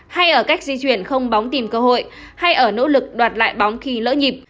hay ở cách di chuyển không bóng tìm cơ hội hay ở nỗ lực đoạt lại bóng khi lỡ nhịp